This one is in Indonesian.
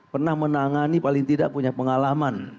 pernah menangani paling tidak punya pengalaman